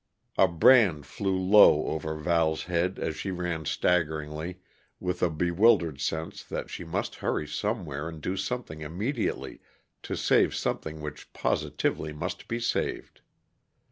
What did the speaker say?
A brand flew low over Val's head as she ran staggeringly, with a bewildered sense that she must hurry somewhere and do something immediately, to save something which positively must be saved.